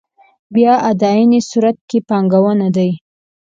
بیا اداينې صورت کې پانګونه دي.